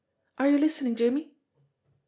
Ajr# you listening, Jimmie